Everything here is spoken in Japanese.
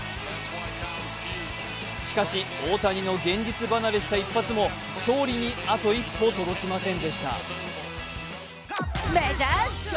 しかし大谷の現実離れした一発も勝利にあと一歩届きませんでした。